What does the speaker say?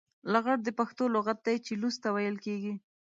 لغړ د پښتو لغت دی چې لوڅ ته ويل کېږي.